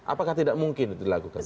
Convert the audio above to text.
apakah tidak mungkin itu dilakukan